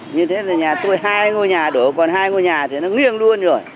như thế là nhà tôi hai ngôi nhà đổ còn hai ngôi nhà thì nó nghiêng luôn rồi